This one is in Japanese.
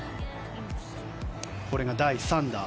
これが第３打。